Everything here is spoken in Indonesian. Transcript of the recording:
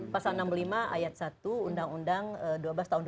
pasal enam puluh lima ayat satu undang undang dua belas tahun dua ribu